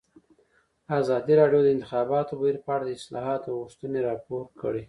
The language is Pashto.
ازادي راډیو د د انتخاباتو بهیر په اړه د اصلاحاتو غوښتنې راپور کړې.